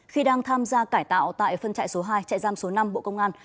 khi đang tham gia cải tạo tại phân chạy số hai chạy giam số năm bộ công an